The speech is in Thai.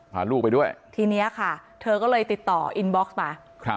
พาลูกไปด้วยทีนี้ค่ะเธอก็เลยติดต่ออินบ็อกซ์มา